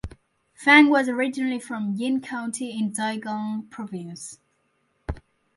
Fang was originally from Yin County in Zhejiang Province.